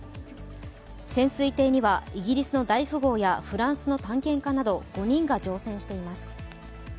潜水艇には、イギリスの大富豪やフランスの探検家など５人が乗船しています。